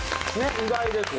意外ですよね。